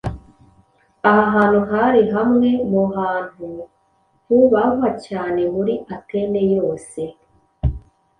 Aha hantu hari hamwe mu hantu hubahwa cyane muri Atene yose,